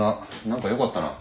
何か良かったな。